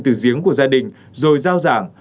từ giếng của gia đình rồi giao giảng